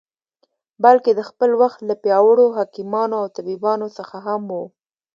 بلکې د خپل وخت له پیاوړو حکیمانو او طبیبانو څخه هم و.